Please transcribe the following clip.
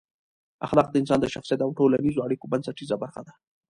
اخلاق د انسان د شخصیت او ټولنیزو اړیکو بنسټیزه برخه ده.